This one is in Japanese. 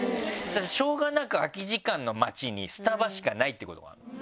しょうがなく空き時間の待ちにスタバしかないってことがある。